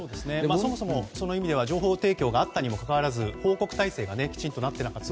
そもそも情報提供があったにもかかわらず報告体制がきちんとなっていなかった。